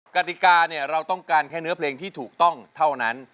กติกาเนี่ยเราต้องการแค่เนื้อเพลงที่ถูกต้องเท่านั้น